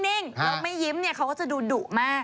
แล้วไม่ยิ้มเขาก็จะดูดุมาก